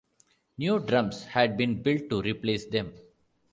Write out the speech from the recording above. New drums had been build to replace them.